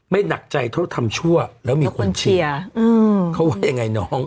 หนักใจเท่าทำชั่วแล้วมีคนเชียร์เขาว่ายังไงน้อง